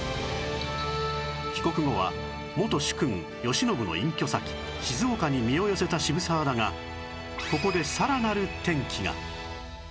帰国後は元主君慶喜の隠居先静岡に身を寄せた渋沢だがここでさらなる転機が